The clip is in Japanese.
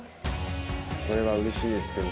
それはうれしいですけど。